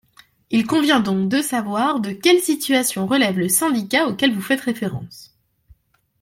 Il convient donc de savoir de quelle situation relève le syndicat auquel vous faites référence.